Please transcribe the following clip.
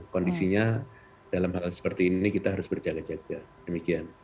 kondisinya dalam hal seperti ini kita harus berjaga jaga demikian